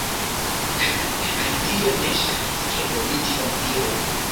Tamen Alicio ne ŝatis ke oni tion diru.